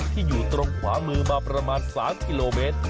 อยู่ตรงขวามือมาประมาณ๓กิโลเมตร